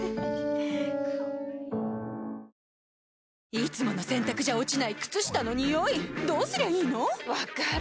いつもの洗たくじゃ落ちない靴下のニオイどうすりゃいいの⁉分かる。